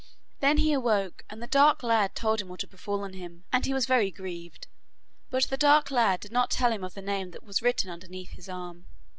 Then he awoke, and the dark lad told him what had befallen him, and he was very grieved. But the dark lad did not tell him of the name that was written underneath his arm.